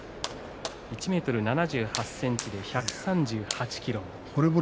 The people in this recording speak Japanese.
１ｍ７８ｃｍで１３８ｋｇ。